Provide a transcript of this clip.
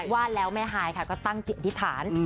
ว่าแล้วแม่ฮายค่ะก็ตั้งจิตอธิษฐาน